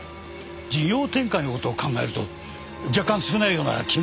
事業展開の事を考えると若干少ないような気もしますがね。